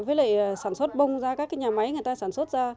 với lại sản xuất bông ra các cái nhà máy người ta sản xuất ra